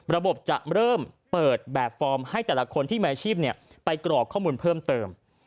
ระบบจะเริ่มเปิดแบบฟอร์มให้แต่ละคนที่มีอาชีพไปกรอกข้อมูลเพิ่มเติม